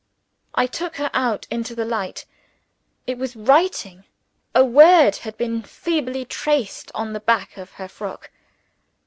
I took her out into the light. It was writing! A word had been feebly traced on the back of her frock.